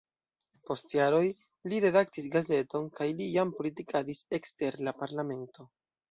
Post jaroj li redaktis gazeton kaj li jam politikadis ekster la parlamento.